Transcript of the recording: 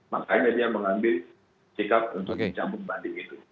makanya dia mengambil sikap untuk mencambung banding itu